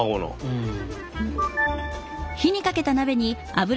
うん。